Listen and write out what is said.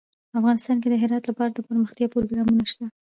افغانستان کې د هرات لپاره دپرمختیا پروګرامونه شته.